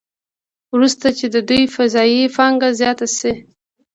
وروسته چې د دوی اضافي پانګه زیاته شي